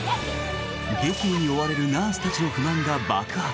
激務に追われるナースたちの不満が爆発。